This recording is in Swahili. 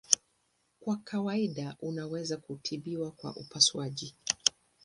Kwa kawaida unaweza kutibiwa kwa upasuaji.